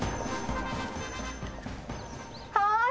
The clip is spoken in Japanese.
はい。